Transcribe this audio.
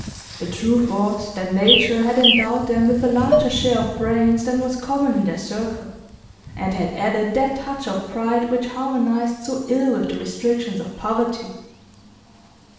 The truth was that nature had endowed them with a larger share of brains than was common in their circle, and had added that touch of pride which harmonised so ill with the restrictions of poverty.